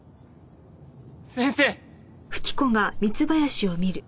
先生！